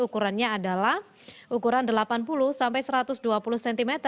ukurannya adalah ukuran delapan puluh sampai satu ratus dua puluh cm